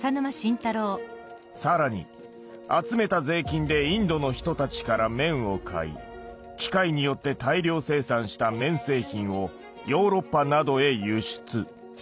更に集めた税金でインドの人たちから綿を買い機械によって大量生産した綿製品をヨーロッパなどへ輸出。